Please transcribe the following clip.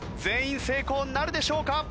全員成功なるでしょうか？